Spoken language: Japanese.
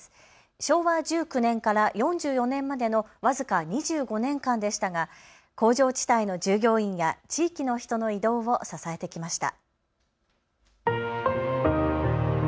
昭和１９年から４４年までの僅か２５年間でしたが工場地帯の従業員や地域の人の移動を支えてきました。